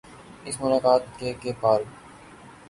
اس ملاقات میں K K پال